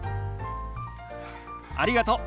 ありがとう。